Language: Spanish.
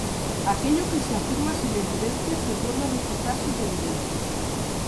Aquello que se afirma sin evidencia se puede rechazar sin evidencia.